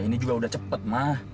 ini juga udah cepat ma